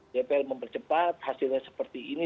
dpr mempercepat hasilnya seperti ini